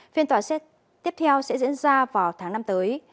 phiên tòa tiếp theo sẽ diễn ra vào tháng năm tới